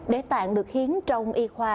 để tạng được khiến trong y khoa